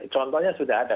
contohnya sudah ada